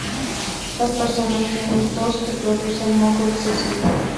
Las personas tienen tos que produce moco excesivo.